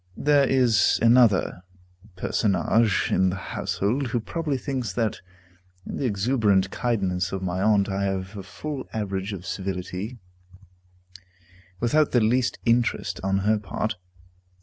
There is another personage in the household, who probably thinks that in the exuberant kindness of my aunt I have a full average of civility, without the least interest on her part.